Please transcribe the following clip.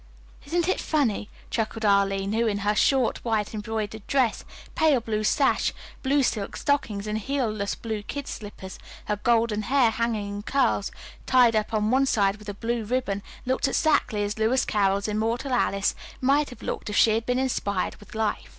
"Isn't it funny?" chuckled Arline, who, in her short, white, embroidered dress, pale blue sash, blue silk stockings and heelless blue kid slippers, her golden hair hanging in curls, tied up on one side with a blue ribbon, looked exactly as Lewis Carroll's immortal Alice might have looked if she had been inspired with life.